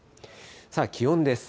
さあ、気温です。